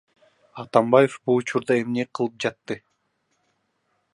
Атамбаев бул учурда эмне кылып жатты?